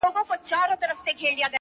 زوی له ډېره کیبره و ویله پلار ته،